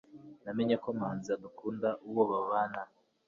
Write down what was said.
namenye ko manzi adakunda uwo babana